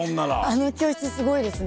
あの教室すごいですね